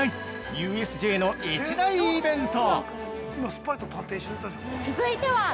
ＵＳＪの一大イベント！